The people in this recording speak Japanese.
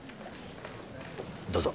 どうぞ。